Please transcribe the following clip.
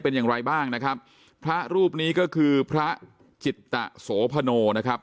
เป็นอย่างไรบ้างนะครับพระรูปนี้ก็คือพระจิตตะโสพโนนะครับ